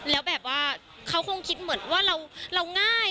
แล้วแบบว่าเขาคงคิดเหมือนว่าเราง่าย